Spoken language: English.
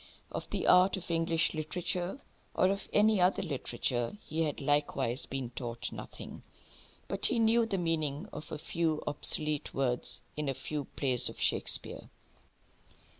Of the art of English literature, or of any other literature, he had likewise been taught nothing. But he knew the meaning of a few obsolete words in a few plays of Shakespeare.